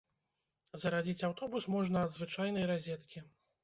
Зарадзіць аўтобус можна ад звычайнай разеткі.